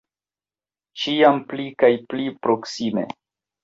Ĉiam pli kaj pli proksime.